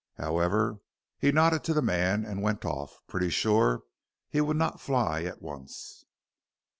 However, he nodded to the man and went off, pretty sure he would not fly at once.